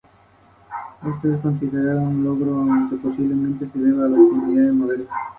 Carlos Puget estudiaría Derecho y sería procurador de los tribunales.